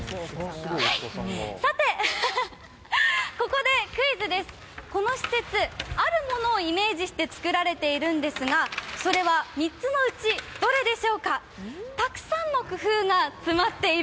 さて、ここでクイズです、この施設、あるものをイメージして造られているんですが、山形県山形市からお伝えしています。